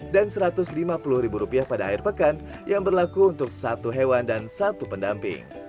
dan satu ratus lima puluh ribu rupiah pada air pekan yang berlaku untuk satu hewan dan satu pendamping